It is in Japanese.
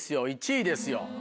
１位ですよ。